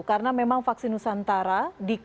karena memang vaksin nusantara itu itu tidak bisa diberikan